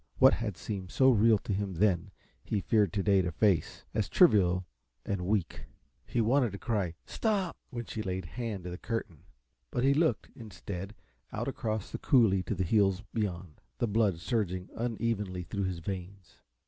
What had seemed so real to him then he feared to day to face, as trivial and weak. He wanted to cry "Stop!" when she laid hand to the curtain, but he looked, instead, out across the coulee to the hills beyond, the blood surging unevenly through his veins.